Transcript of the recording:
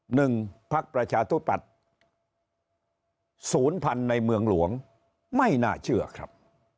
หนึ่งภักดิ์ประชาธิบัติศูนย์พันธุ์ในเมืองหลวงไม่น่าเชื่อครับ